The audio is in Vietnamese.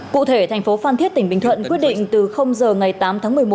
cụ thể thành phố phan thiết tỉnh bình thuận quyết định từ giờ ngày tám tháng một mươi một